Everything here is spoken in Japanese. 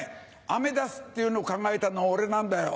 アメダスっていうのを考えたのオレなんだよ。